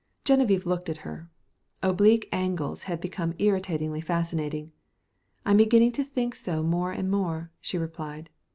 Geneviève looked at her. Oblique angles had become irritatingly fascinating. "I'm beginning to think so more and more," she replied.